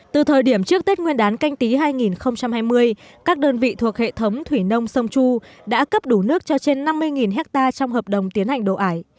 từ thời điểm trước tết nguyên đán canh tí hai nghìn hai mươi các đơn vị thuộc hệ thống thủy nông sông chu đã cấp đủ nước cho trên năm mươi hectare trong hợp đồng tiến hành đồ ải